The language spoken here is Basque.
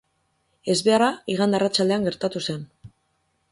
Ezbeharra igande arratsaldean gertatu zen.